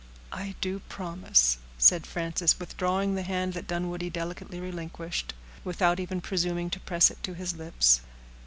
"I do promise," said Frances, withdrawing the hand that Dunwoodie delicately relinquished, without even presuming to press it to his lips.